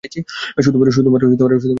শুধুমাত্র আমরা ছাড়া।